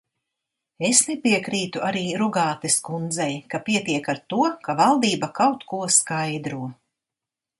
Es nepiekrītu arī Rugātes kundzei, ka pietiek ar to, ka valdība kaut ko skaidro.